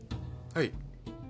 はい？